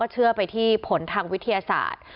เชื่อไปที่ผลทางวิทยาศาสตร์